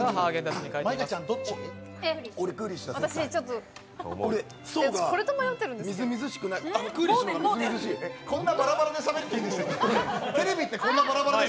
テレビってこんなバラバラでしゃべっていいんですか？